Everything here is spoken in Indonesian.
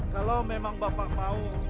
kalau memang bapak mau